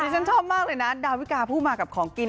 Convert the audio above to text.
ฉันชอบมากเลยนะดาวิกาพูดมากับของกิน